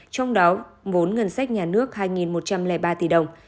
trong đó vốn ngân sách nhà nước hai một trăm linh ba tỷ đồng